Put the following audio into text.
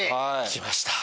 来ました。